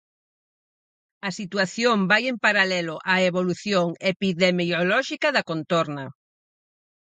A situación vai en paralelo á evolución epidemiolóxica da contorna.